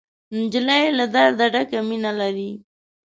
نجلۍ له درده ډکه مینه لري.